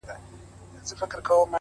په دوکان یې عیال نه سو مړولای!!